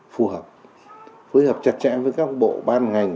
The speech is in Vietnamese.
phù hợp phối hợp chặt chẽ với các bộ ban ngành